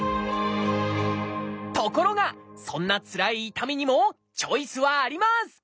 ところがそんなつらい痛みにもチョイスはあります！